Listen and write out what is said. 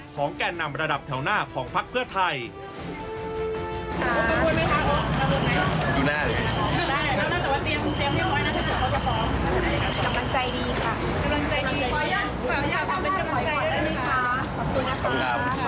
ของแก่นนำระดับแถวหน้าของภาครัฐเทอร์ไทย